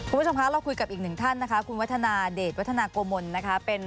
คุณผู้ชมคะเราคุยกับอีกหนึ่งท่านนะคะคุณวัฒนาเดชวัฒนาโกมลนะคะ